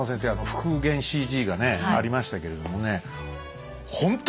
復元ＣＧがねありましたけれどもね